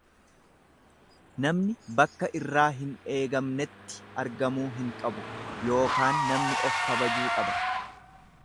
Namni bakka irraa hin eegamnetti argamuu hin qabu, ykn namni of kabajuu qaba.